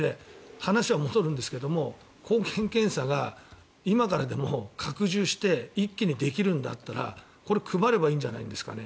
話は戻るんですけれども抗原検査が今からでも拡充して一気にできるんだったらこれは配ればいいんじゃないですかね。